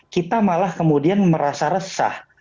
kita malah kemudian merasa resah